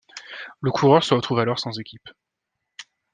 Le coureur se retrouve alors sans équipe.